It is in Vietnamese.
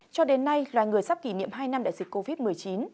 cho đến nay loài người sắp kỷ niệm hai năm đại dịch covid một mươi chín